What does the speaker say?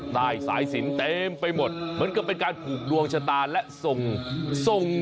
ได้สายสินเต็มไปหมดเหมือนกันเพียงดวงชะตาและทรง